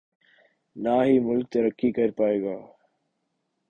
نہ ہی ملک ترقی کر پائے گا۔